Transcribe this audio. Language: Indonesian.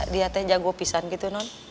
dia teh jago pisang gitu non